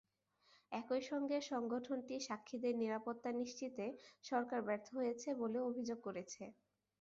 একই সঙ্গে সংগঠনটি সাক্ষীদের নিরাপত্তা নিশ্চিতে সরকার ব্যর্থ হয়েছে বলেও অভিযোগ করেছে।